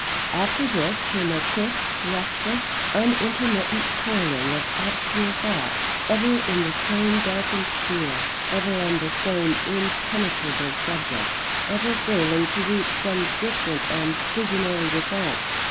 After this, came a quick, restless, unintermittent toiling of obscure thought, ever in the same darkened sphere, ever on the same impenetrable subject, ever failing to reach some distant and visionary result.